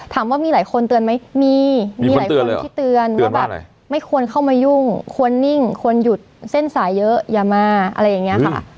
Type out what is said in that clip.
ถามว่ามีหลายคนเตือนไหมมีมีหลายคนที่เตือนว่าแบบไม่ควรเข้ามายุ่งควรนิ่งควรหยุดเส้นสายเยอะอย่ามาอะไรอย่างนี้ค่ะ